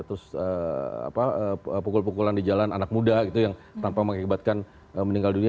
terus pukul pukulan di jalan anak muda gitu yang tanpa mengakibatkan meninggal dunia